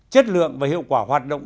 chất lượng và hiệu quả hoạt động